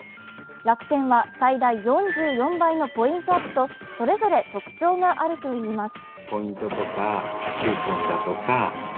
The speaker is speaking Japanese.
楽天は最大４４倍のポイントアップと、それぞれ特徴があるといいます。